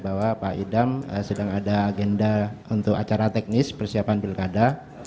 bahwa pak idam sedang ada agenda untuk acara teknis persiapan pilkada